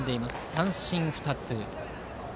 三振２つ。